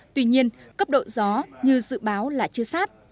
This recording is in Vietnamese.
tuy nhiên cấp độ gió như dự báo là chưa sát